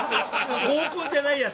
合コンじゃないやつ。